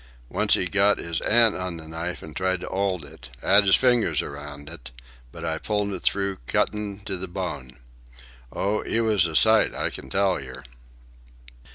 Once 'e got 'is 'and on the knife an' tried to 'old it. 'Ad 'is fingers around it, but I pulled it through, cuttin' to the bone. O, 'e was a sight, I can tell yer."